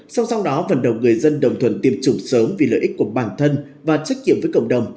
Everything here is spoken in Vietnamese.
song song đó vận động người dân đồng thuận tiêm chủng sớm vì lợi ích của bản thân và trách nhiệm với cộng đồng